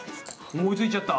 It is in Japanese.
思いついちゃった？